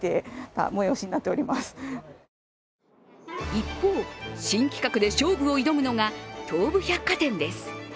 一方、新企画で勝負を挑むのが東武百貨店です。